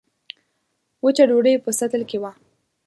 وچه ډوډۍ په سطل کې وه.